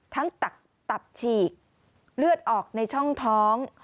ทั้งตักตับฉีกเลือดออกในช่องท้อง